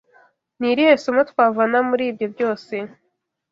Ni irihe somo twavana muri ibyo byose